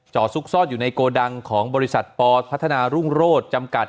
ซุกซ่อนอยู่ในโกดังของบริษัทปพัฒนารุ่งโรศจำกัด